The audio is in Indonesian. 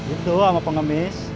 itu sama pengemis